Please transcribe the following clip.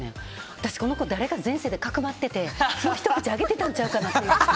私、この子誰かを前世でかくまっててひと口あげてたんちゃうかなって。